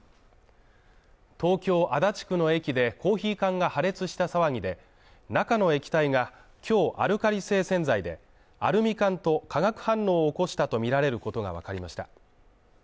東京足立区の駅でコーヒー缶が破裂した騒ぎで中の液体が強アルカリ性洗剤で、アルミ缶と化学反応を起こしたとみられることがわかりました。